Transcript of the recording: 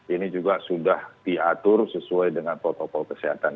ini juga sudah diatur sesuai dengan protokol kesehatan